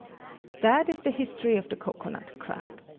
That is the history of the cocoa nut crab.